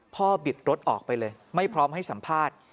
บิดรถออกไปเลยไม่พร้อมให้สัมภาษณ์